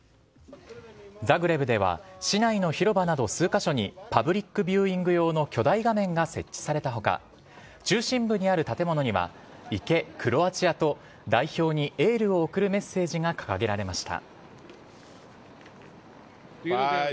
ザグレブでは、市内の広場など数か所にパブリックビューイング用の巨大画面が設置されたほか、中心部にある建物には、行け、クロアチアと、代表にエールを送るメッセージが掲げられました。